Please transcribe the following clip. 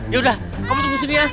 yaudah kamu tunggu sini ya